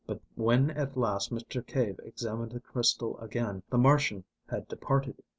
But when at last Mr. Cave examined the crystal again the Martian had departed.